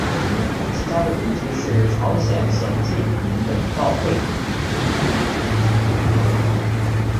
其家的祖籍是朝鲜咸镜北道会宁。